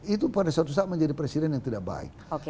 itu pada suatu saat menjadi presiden yang tidak baik